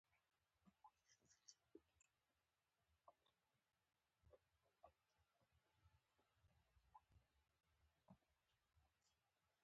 فلزي کیلومتر شمار یې لاندې کښته کړ، د بګۍ سیوان پورته و.